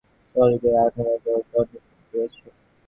সকল হৃদয়ই এই আনন্দময় জগতের অন্বেষণ করিয়াছে।